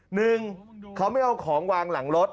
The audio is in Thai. หนึ่งเขาไม่เอาของวางหลังรถ